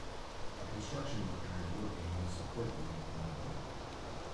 A construction worker is working on a support beam on a building.